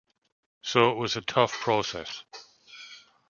So it was a tough process.